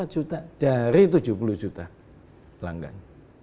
empat puluh empat juta dari tujuh puluh juta pelanggan